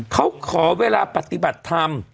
เขาขอเวลาปฏิบัติธรรม